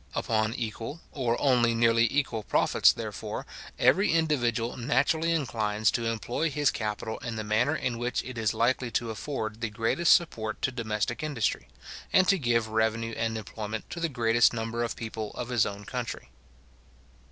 Upon equal, or only nearly equal profits, therefore, every individual naturally inclines to employ his capital in the manner in which it is likely to afford the greatest support to domestic industry, and to give revenue and employment to the greatest number of people of his own country.